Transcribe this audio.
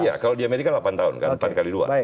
iya kalau di amerika delapan tahun kan empat kali dua